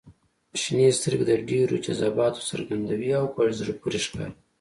• شنې سترګې د ډېر جذباتو څرګندوي او په زړه پورې ښکاري.